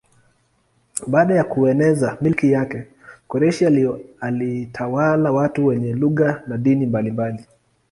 Baada ya kueneza milki yake Koreshi alitawala watu wenye lugha na dini mbalimbali.